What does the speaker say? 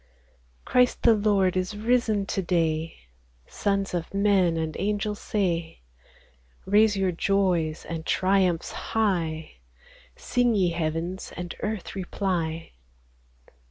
Christ the Lord is risen to day," Sons of men, and angels, say : Raise your joys and triumphs high ; Sing, ye heavens, and earth reply.